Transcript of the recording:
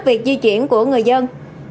việc di chuyển của người dân